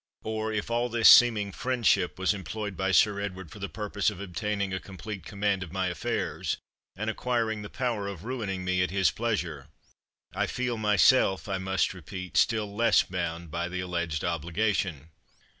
Or, if all this seeming friendship was employed by Sir Edward for the purpose of obtaining a complete command of my affairs, and acquiring the power of ruining me at his pleasure, I feel myself, I must repeat, still less bound by the alleged obligation.